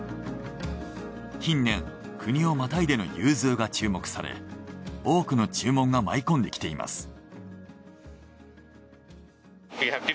近年国をまたいでの融通が注目され多くの注文が舞い込んできています。